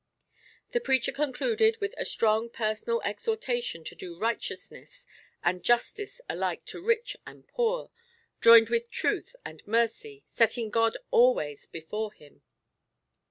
The preacher concluded with a strong personal exhortation to do righteousness and justice alike to rich and poor, joined with truth and mercy, setting God always before him.